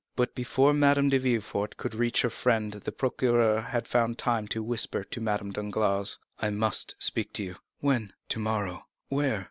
But before Madame de Villefort could reach her friend, the procureur had found time to whisper to Madame Danglars, "I must speak to you." "When?" "Tomorrow." "Where?"